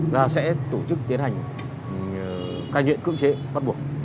là sẽ tổ chức tiến hành cai nghiện cưỡng chế bắt buộc